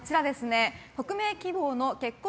匿名希望の結婚